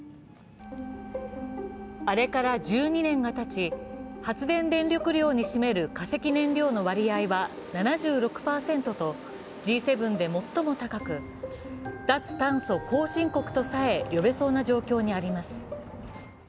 あれから１２年がたち発電電力量に占める化石燃料の割合は７６％とＧ７で最も高く、脱炭素後進国とさえ呼べそうな状況にあります。